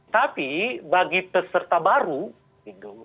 tapi bagi peserta baru gitu